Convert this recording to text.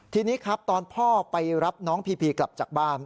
ทีนี้ครับตอนพ่อไปรับน้องพีพีกลับจากบ้าน